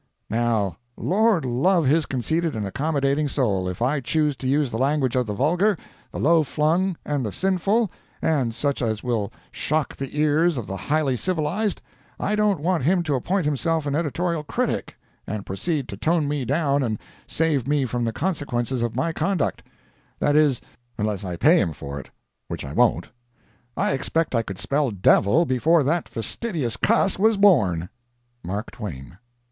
Now, Lord love his conceited and accommodating soul, if I choose to use the language of the vulgar, the low flung and the sinful, and such as will shock the ears of the highly civilized, I don't want him to appoint himself an editorial critic and proceed to tone me down and save me from the consequences of my conduct; that is, unless I pay him for it, which I won't. I expect I could spell "devil' before that fastidious cuss was born.—MARK TWAIN.